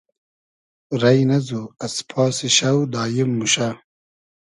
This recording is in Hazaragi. رݷ نئزو از پاسی شۆ داییم موشۂ